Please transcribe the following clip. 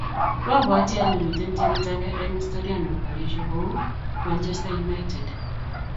Mobwatii ale miten timit age eng historia ne bo borishe kou Manchester United.